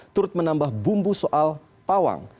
turut menambah bumbu soal pawang